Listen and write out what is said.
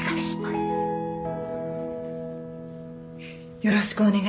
よろしくお願いします。